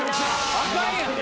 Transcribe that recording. あかんやん。